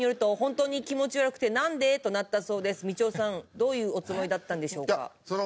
どういうおつもりだったんでしょうか？」